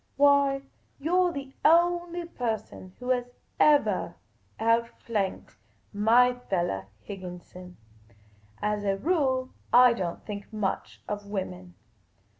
Why, you 're the only person who has evah out flanked my fellah, Higginson. As a rule I don't think much of women.